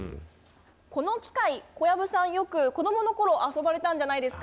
この機械、小籔さん、よく子どものころ、遊ばれたんじゃないです